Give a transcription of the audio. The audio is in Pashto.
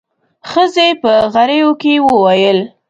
ښځې په غريو کې وويل.